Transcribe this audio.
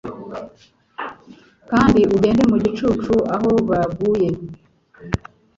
Kandi ugende mu gicucu aho baguye,